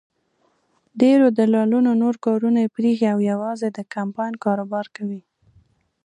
ډېرو دلالانو نور کارونه پرېښي او یوازې د کمپاین کاروبار کوي.